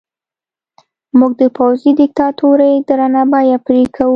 موږ د پوځي دیکتاتورۍ درنه بیه پرې کوو.